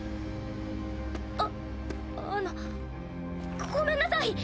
ああのごめんなさい。